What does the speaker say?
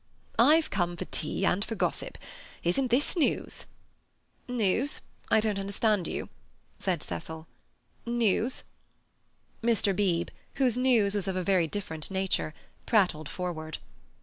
"I've come for tea and for gossip. Isn't this news?" "News? I don't understand you," said Cecil. "News?" Mr. Beebe, whose news was of a very different nature, prattled forward.